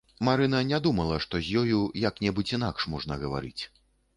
Марына не думала, што з ёю як-небудзь інакш можна гаварыць.